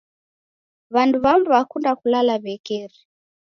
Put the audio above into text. W'andu w'amu w'akunda kulala w'iekeri.